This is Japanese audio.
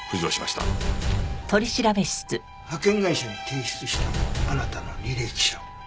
派遣会社に提出したあなたの履歴書。